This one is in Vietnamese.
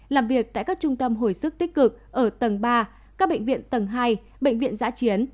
làm việc tại các trung tâm hồi sức tích cực ở tầng ba các bệnh viện tầng hai bệnh viện giã chiến